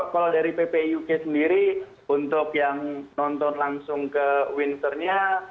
kalau dari ppuk sendiri untuk yang nonton langsung ke winternya